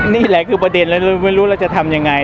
นี่แหละคือประเด็นแล้วเราไม่รู้เราจะทำยังไง